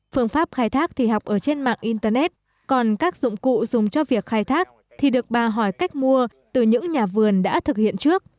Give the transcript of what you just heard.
phương pháp khai thác thì học ở trên mạng internet còn các dụng cụ dùng cho việc khai thác thì được bà hỏi cách mua từ những nhà vườn đã thực hiện trước